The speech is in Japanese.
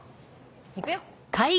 行くよ。